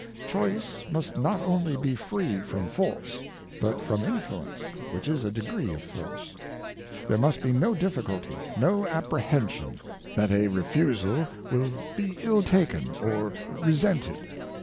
Choice must not only be free from Force, but from Influence, which is a degree of Force: There must be no difficulty, no apprehension that a Refusal will be ill taken, or resented.